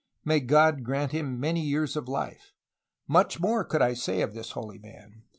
May God grant him many years of life. Much more could I say of this holy man.